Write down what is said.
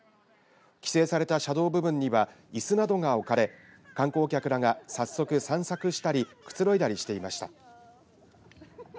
規制された車道部分にはいすなどが置かれ観光客らが早速、散策したりくつろいだりしていました。